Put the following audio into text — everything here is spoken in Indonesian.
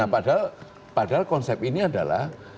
padahal konsep ini adalah